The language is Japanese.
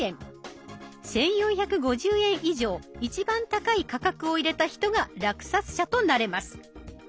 １，４５０円以上一番高い価格を入れた人が落札者となれます。